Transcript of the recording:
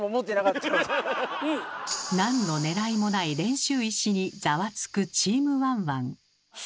なんのねらいもない練習石にざわつくチームワンワン。